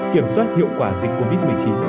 kiểm soát hiệu quả dịch covid một mươi chín